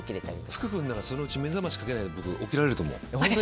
福君ならそのうち目覚ましかけないで起きられると思う。